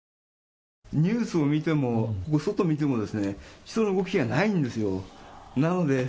ニュースを見ても外を見てもその気配がないんですよ。